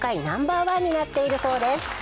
ナンバーワンになっているそうです